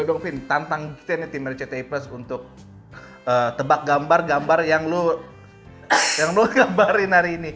ah gue dong vin tantang kita nih tim rcti plus untuk tebak gambar gambar yang lo gambarin hari ini